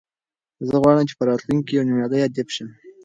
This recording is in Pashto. زه غواړم چې په راتلونکي کې یو نومیالی ادیب شم.